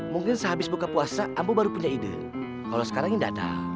mungkin sehabis buka puasa ambo baru punya ide kalau sekarang ini tidak ada